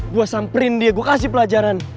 gue samperin dia gue kasih pelajaran